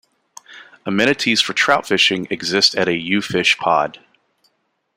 Amenities for trout fishing exist at a U-fish pod.